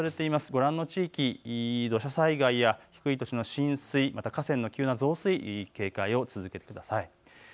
ご覧の地域、土砂災害や低い土地の浸水、河川の急な増水に警戒を続けてください。